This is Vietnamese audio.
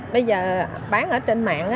bây giờ bán ở trên mạng